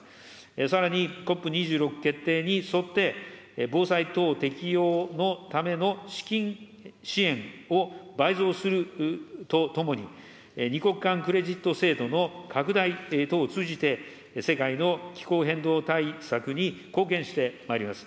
さらにＣＯＰ２６決定に沿って、防災等適用のための資金支援を倍増するとともに、２国間クレジット制度の拡大等を通じて、世界の気候変動対策に貢献してまいります。